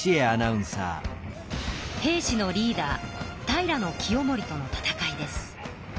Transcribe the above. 平氏のリーダー平清盛との戦いです。